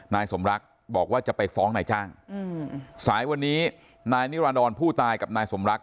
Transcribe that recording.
นายสมรักบอกว่าจะไปฟ้องนายจ้างสายวันนี้นายนิรดรผู้ตายกับนายสมรัก